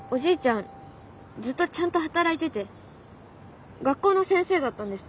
ずっとちゃんと働いてて学校の先生だったんです。